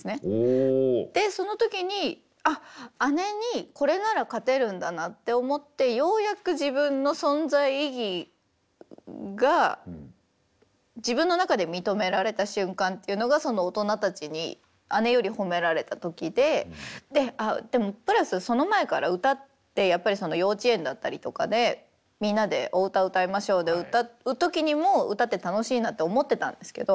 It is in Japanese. でその時に「あっ姉にこれなら勝てるんだな」って思ってようやく自分の存在意義が自分の中で認められた瞬間っていうのがその大人たちに姉より褒められた時ででもプラスその前から歌って幼稚園だったりとかで「みんなでお歌歌いましょう」で歌う時にも歌って楽しいなって思ってたんですけど